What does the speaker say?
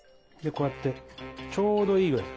こうやってちょうどいい具合に。